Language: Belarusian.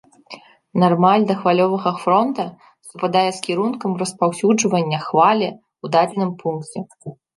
Нармаль да хвалевага фронта супадае з кірункам распаўсюджвання хвалі ў дадзеным пункце.